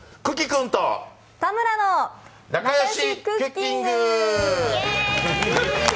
田村の仲良しクッキング！